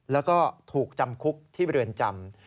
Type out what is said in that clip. แล้วก็ถูกจำคุกที่เรือนจำ